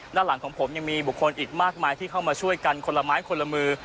ด้านหลังของผมยังมีบุคคลอีกมากมายที่เข้ามาช่วยกันคนละไม้คนละมือ